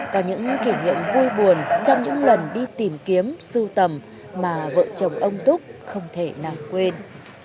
có những kỷ niệm vui buồn trong những lần đi tìm kiếm sưu tầm mà vợ chồng ông túc không thể nào quên